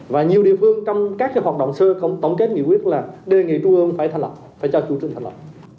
và nhiều địa phương trong các hoạt động xưa tổng kết nghị quyết là đề nghị trung ương phải cho tru trương thành lập